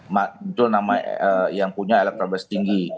muncul nama yang punya elektronik setinggi